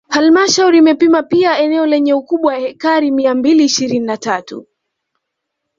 Halmashauri imepima pia eneo lenye ukubwa wa ekari mia mbili ishirini na tatu